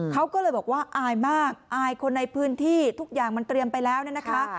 เขาก็เลยบอกว่าอายมากอายคนในพื้นที่ทุกอย่างมันเตรียมไปแล้วเนี่ยนะคะ